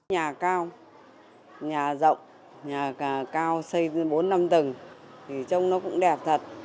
nhà cao nhà rộng nhà cao xây bốn năm tầng thì trông nó cũng đẹp thật